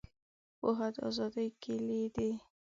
پوهه د آزادۍ کیلي ده.